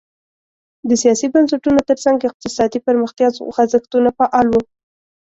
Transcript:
د سیاسي بنسټونو ترڅنګ اقتصادي پرمختیا خوځښتونه فعال وو.